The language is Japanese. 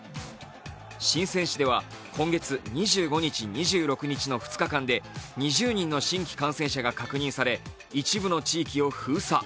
深セン市では今月２５日、２６日の２日間で２０人の新規感染者が確認され一部の地域を封鎖。